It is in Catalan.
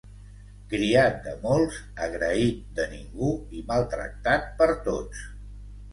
Criat de molts, agraït de ningú i maltractat per tots.